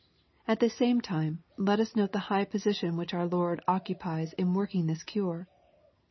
At the same time, let us note the high position which our Lord occu pies in working this cure.